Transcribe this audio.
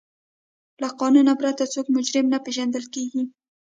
له قانون پرته څوک مجرم نه پیژندل کیږي.